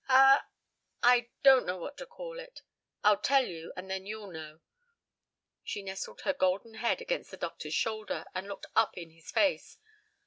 "A I don't know what to call it. I'll tell you, and then you'll know." She nestled her golden head against the doctor's shoulder, and looked up in his face.